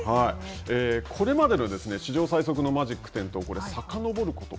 これまでの史上最速のマジック点灯さかのぼること